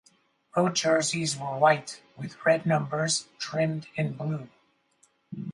Road jerseys were white with red numbers trimmed in blue.